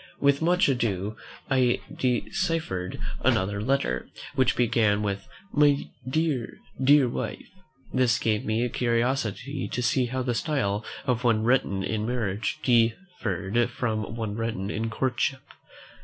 With much ado I deciphered another letter, which began with, "My dear, dear wife." This gave me a curiosity to see how the style of one written in marriage differed from one written in courtship.